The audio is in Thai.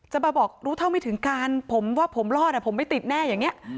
จะมาบอกรู้เท่าไม่ถึงการผมว่าผมรอดผมไม่ติดแน่อย่างนี้